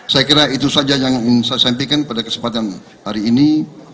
saya kira itu saja yang ingin saya sampaikan pada kesempatan hari ini